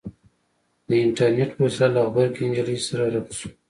د اينټرنېټ په وسيله له غبرګې نجلۍ سره رخ شو.